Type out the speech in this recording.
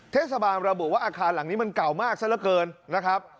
เทศบาลระบุว่าอาคารหลังนี้มันเก่ามากซะละเกินนะครับ